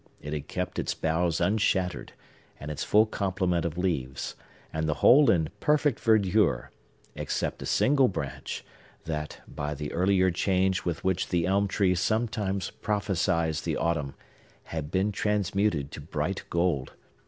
It had kept its boughs unshattered, and its full complement of leaves; and the whole in perfect verdure, except a single branch, that, by the earlier change with which the elm tree sometimes prophesies the autumn, had been transmuted to bright gold.